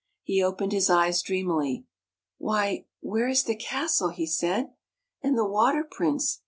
He opened his eyes dreamily. " Why, where is the castle? " he said. " And the Water Prince?